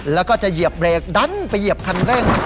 แล้วก็จะเหยียบเบรกดันไปเหยียบคันเร่ง